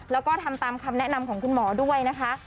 แล้วก็ทำตามคำแนะนำของคุณหมอด้วยนะคะ